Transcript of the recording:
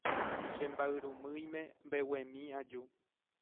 Che mba'yrumýime mbeguemi aju.